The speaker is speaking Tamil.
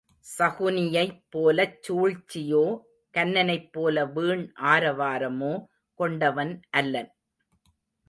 சகுனியைப் போலச் சூழ்ச்சியோ கன்னனைப்போல வீண் ஆரவாரமோ கொண்டவன் அல்லன்.